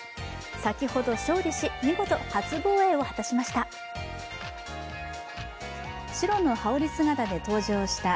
先ほど勝利し、見事、初防衛を果たしました。